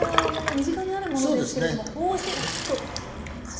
身近にあるものですけれどもそうですね。